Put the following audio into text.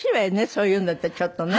そういうのってちょっとね。